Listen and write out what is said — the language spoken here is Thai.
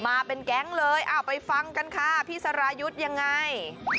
มาเป็นแก๊งเลยไปฟังกันค่ะพี่สรายุทธ์ยังไง